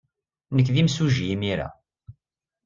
Nekk d imsujji imir-a.